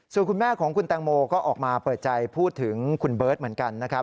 ส่วนคุณแม่ของคุณแตงโมก็ออกมาเปิดใจพูดถึงคุณเบิร์ตเหมือนกันนะครับ